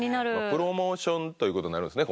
プロモーションということになるんですね